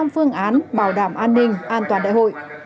một trăm linh phương án bảo đảm an ninh an toàn đại hội